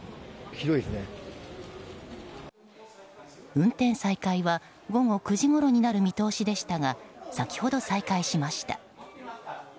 運転再開は午後９時ごろになる見通しでしたが先ほど、再開しました。